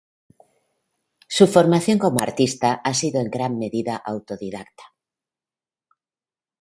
Su formación como artista ha sido en gran medida autodidacta.